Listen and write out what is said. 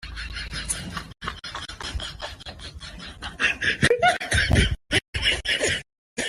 El disfraz aparece en todas las películas de la saga, dando los mejores sustos.